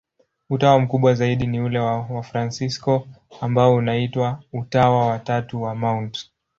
Utawa mkubwa zaidi ni ule wa Wafransisko, ambao unaitwa Utawa wa Tatu wa Mt.